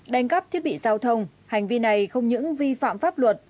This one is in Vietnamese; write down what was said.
đánh cắp thiết bị giao thông hành vi này không những vi phạm pháp luật